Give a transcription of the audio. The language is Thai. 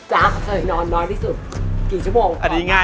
หละยา